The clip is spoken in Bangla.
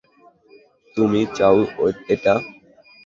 তুমি চাও এটা?